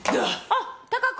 あっ貴子。